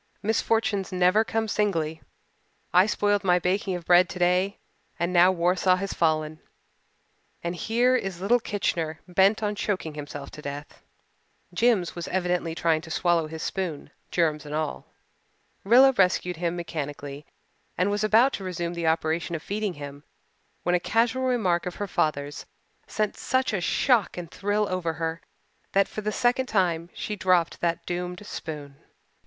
Misfortunes never come singly. I spoiled my baking of bread today and now Warsaw has fallen and here is little Kitchener bent on choking himself to death." Jims was evidently trying to swallow his spoon, germs and all. Rilla rescued him mechanically and was about to resume the operation of feeding him when a casual remark of her father's sent such a shock and thrill over her that for the second time she dropped that doomed spoon.